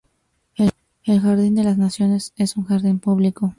El jardín de las Naciones es un jardín público.